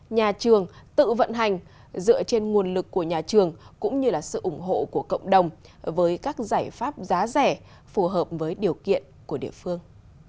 nhà trường tự vận hành dựa trên nguồn lực của nhà trường cũng như sự ủng hộ của cộng đồng với các giải pháp giá rẻ phù hợp với điều kiện của địa phương